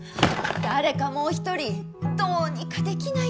誰かもう一人どうにかできないんですか？